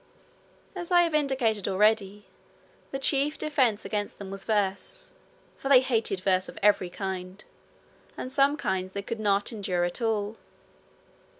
As I have indicated already, the chief defence against them was verse, for they hated verse of every kind, and some kinds they could not endure at all.